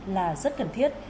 là rất cần thiết